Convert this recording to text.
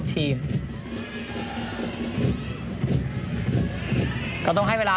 ส่วนที่สุดท้ายส่วนที่สุดท้าย